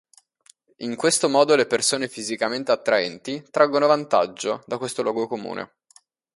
In questo modo le persone fisicamente attraenti traggono vantaggio da questo luogo comune.